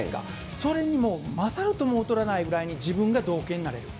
それにもう勝るとも劣らないぐらいに自分が道化になれる。